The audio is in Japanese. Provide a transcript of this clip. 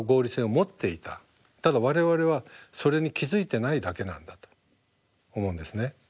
ただ我々はそれに気付いてないだけなんだと思うんですね。